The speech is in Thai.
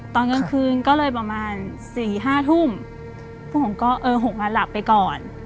ตอนกลางคืนก็เลยประมาณ๔๕ทุ่มพวกผมก็เออ๖วันหลับไปก่อน